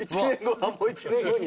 もう１年後に？